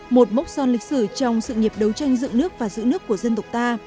một mốc son lịch sử trong sự nghiệp đấu tranh giữ nước và giữ nước của dân tộc ta